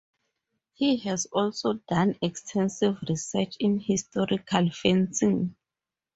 He has also done extensive research in historical fencing.